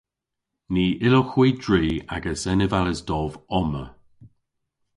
Ny yllowgh hwi dri agas enevales dov omma.